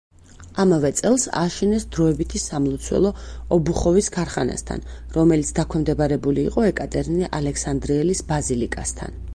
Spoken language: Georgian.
ამავე წელს ააშენეს დროებითი სამლოცველო ობუხოვის ქარხანასთან, რომელიც დაქვემდებარებული იყო ეკატერინე ალექსანდრიელის ბაზილიკასთან.